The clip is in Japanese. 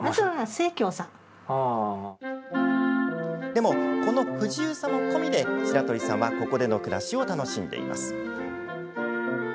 でも、この不自由さも込みで白鳥さんはここでの暮らしを楽しんでいます。